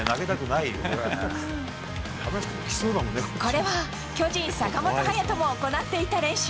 これは巨人、坂本勇人も行っていた練習。